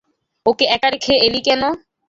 ওকে একা রেখে এলি কেন?